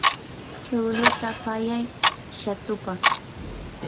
chuqluta pallay shatupaq.